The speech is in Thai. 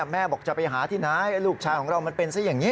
แม่บอกจะไปหาที่ไหนลูกชายของเรามันเป็นซะอย่างนี้